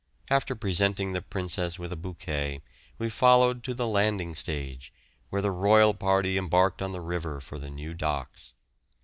After presenting the Princess with a bouquet we followed to the landing stage, where the royal party embarked on the river for the new docks.